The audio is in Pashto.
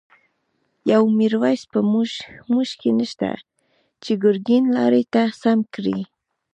يو” ميرويس ” په موږکی نشته، چی ګر ګين لاری ته سم کړی